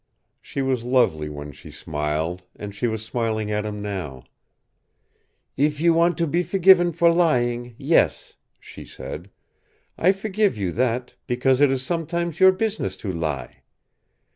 She was lovely when she smiled, and she was smiling at him now. "If you want to be forgiven for lying, yes," she said. "I forgive you that, because it is sometimes your business to lie.